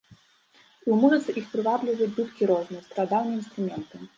І ў музыцы іх прывабліваюць дудкі розныя, старадаўнія інструменты.